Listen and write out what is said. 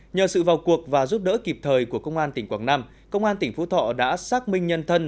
nhờ sự vào cuộc và giúp đỡ kịp thời của công an tỉnh quảng nam công an tỉnh phú thọ đã xác minh nhân thân